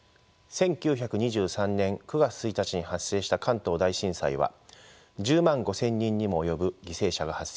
１９２３年９月１日に発生した関東大震災は１０万５，０００人にも及ぶ犠牲者が発生しました。